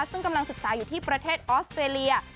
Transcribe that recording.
ซึ่งกำลังศึกษาอยู่ที่ประเทศออสเตรเลีย